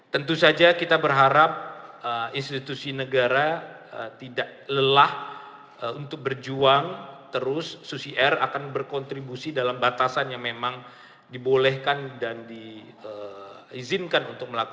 tentu saja kita berharap institusi negara tidak lelah untuk berjuang terus susi air akan berkontribusi dalam batasan yang memang dibolehkan dan diizinkan untuk melakukan